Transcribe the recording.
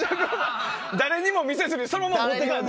誰にも見せずにそのまま持って帰ったの？